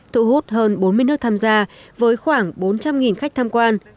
thụ hút hơn bốn mươi nước tham gia với khoảng bốn trăm linh khách tham quan